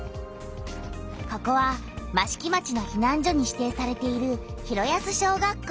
ここは益城町のひなん所に指定されている広安小学校。